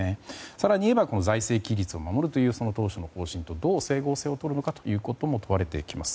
更に言えば財政規律を守るという当初の方針とどう整合性をとるのかということもあります。